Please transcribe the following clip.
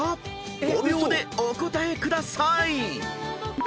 ５秒でお答えください］